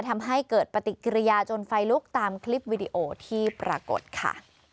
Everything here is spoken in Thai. ทำให้เกิดปฏิกิริยาจนไฟลุกตามคลิปวิดีโอที่ปรากฏค่ะ